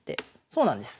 そうなんです。